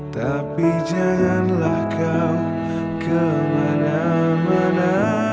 tapi janganlah kau kemana mana